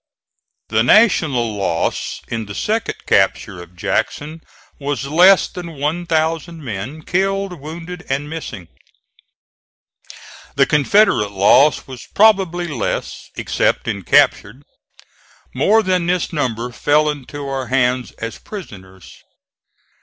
The National loss in the second capture of Jackson was less than one thousand men, killed, wounded and missing. The Confederate loss was probably less, except in captured. More than this number fell into our hands as prisoners.